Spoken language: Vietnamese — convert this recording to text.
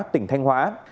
tỉnh thanh hóa